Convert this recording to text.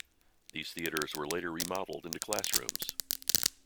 These theaters were later remodeled into classrooms.